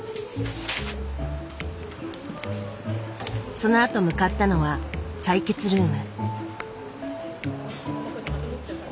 そのあと向かったのは採血ルーム。